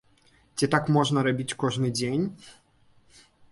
Ці так можна рабіць кожны дзень?